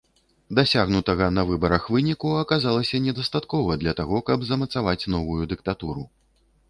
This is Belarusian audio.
Дасягнутага на выбарах выніку аказалася недастаткова для таго, каб замацаваць новую дыктатуру.